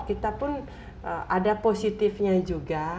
kita pun ada positifnya juga